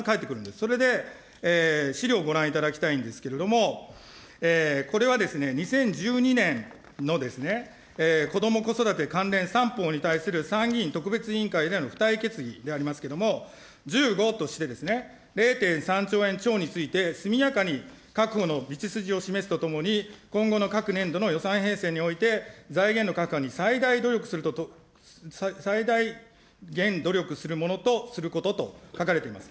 それで資料をご覧いただきたいんですけれども、これは２０１２年のこども・子育て関連３法に関する参議院特別委員会での付帯決議でありますけども、１５として、０．３兆円超について、速やかに確保の道筋を示すとともに、今後の各年度の予算編成において、財源の確保に最大努力する、最大限努力するものとすることと書かれています。